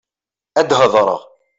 Ad hedṛeɣ.